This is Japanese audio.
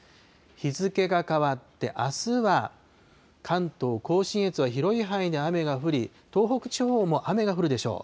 日付が変わって、あすは関東甲信越は広い範囲で雨が降り、東北地方も雨が降るでしょう。